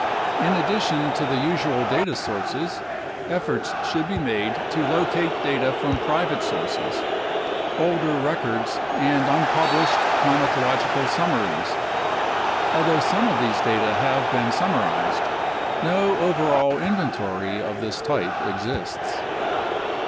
In addition to the usual data sources, efforts should be made to locate data from private sources, older records, and unpublished climatological summaries. Al though some of these data have been summarized, no overall inventory of this type exists.